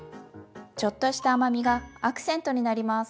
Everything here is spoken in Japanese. ちょっとした甘みがアクセントになります。